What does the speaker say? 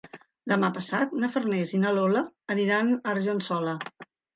Demà passat na Farners i na Lola aniran a Argençola.